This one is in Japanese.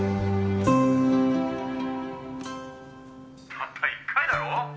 「たった１回だろ？